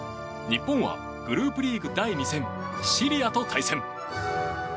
日本はグループリーグ第２戦シリアと対戦。